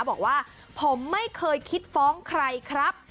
บอกว่าผมไม่เคยคิดฟ้องใครครับ